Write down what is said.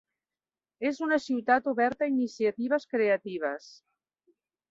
És una ciutat oberta a iniciatives creatives.